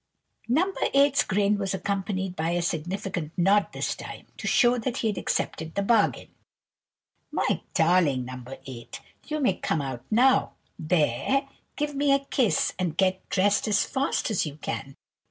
No. 8's grin was accompanied by a significant nod this time, to show that he accepted the bargain. "My darling No. 8, you may come out now. There! give me a kiss, and get dressed as fast as you can.